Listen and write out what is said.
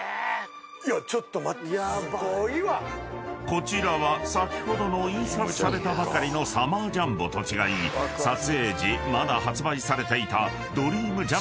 ［こちらは先ほどの印刷されたばかりのサマージャンボと違い撮影時まだ発売されていたドリームジャンボの保管庫。